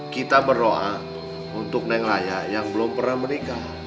kita berdoa untuk neng raya yang belum pernah menikah